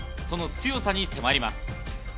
その強さに迫ります。